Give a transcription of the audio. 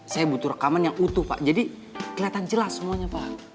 saya butuh rekaman yang utuh pak jadi kelihatan jelas semuanya pak